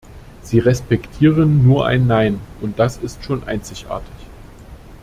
Sie respektieren nur ein "Nein", und das ist schon einzigartig.